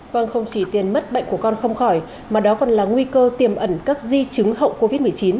vâng không chỉ tiền mất bệnh của con không khỏi mà đó còn là nguy cơ tiềm ẩn các di chứng hậu covid một mươi chín